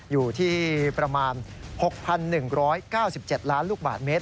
อยู่ที่ประมาณ๖๑๙๗ล้านลูกบาทเมตร